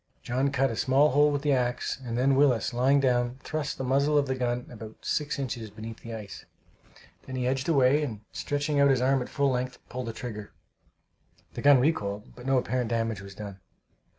John cut a small hole with the axe, and then Willis, lying down, thrust the muzzle of the gun about six inches beneath the ice. Then he edged away, and stretching out his arm at full length, pulled the trigger. The gun recoiled, but no apparent damage was done.